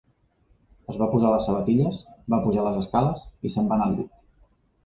Es va posar les sabatilles, va pujar les escales i se'n va anar al llit.